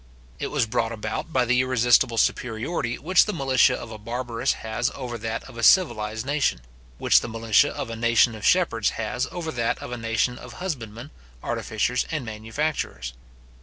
It was brought about by the irresistible superiority which the militia of a barbarous has over that of a civilized nation; which the militia of a nation of shepherds has over that of a nation of husbandmen, artificers, and manufacturers.